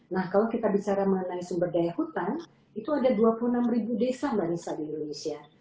nah kalau kita bicara mengenai sumber daya hutan itu ada dua puluh enam desa mbak nisa di indonesia